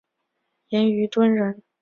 严虞敦人。